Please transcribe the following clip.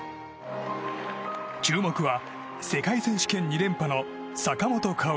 注目は世界選手権２連覇の坂本花織。